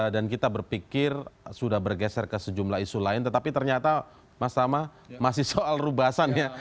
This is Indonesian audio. dan kita berpikir sudah bergeser ke sejumlah isu lain tetapi ternyata mas tama masih soal rubasan ya